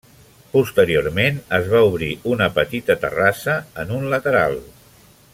Posteriorment es va obrir una petita terrassa en un lateral.